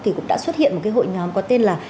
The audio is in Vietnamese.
thì cũng đã xuất hiện một cái hội nhóm có tên là